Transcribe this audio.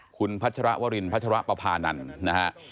คุณพัชรวรินพัชรปภานันทร์นะฮะ